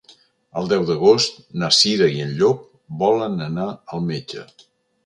El deu d'agost na Cira i en Llop volen anar al metge.